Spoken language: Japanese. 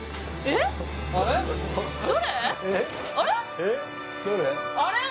えっどれ？